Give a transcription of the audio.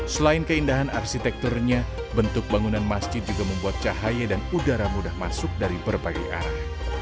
selain keindahan arsitekturnya bentuk bangunan masjid juga membuat cahaya dan udara mudah masuk dari berbagai arah